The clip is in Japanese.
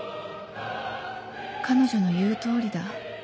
彼女の言う通りだ